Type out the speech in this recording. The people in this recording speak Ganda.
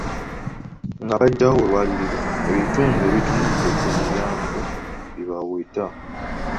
Nga baggyawo olwaliiro ebitundu ebitunudde ku mulyango bye baweta.